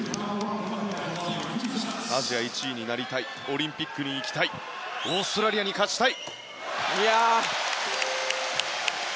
アジア１位になりたいオリンピックに行きたいオーストラリアに勝ちたい。